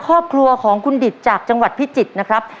ครอบครัวของคุณดิตจากจังหวัดพิจิตรนะครับ